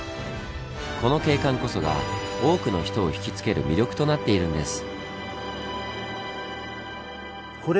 この景観こそが多くの人をひきつける魅力となっているんです。